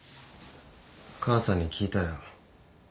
母さんに聞いたよ。